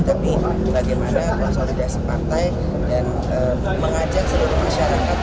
tapi bagaimana konsolidasi partai dan mengajak seluruh masyarakat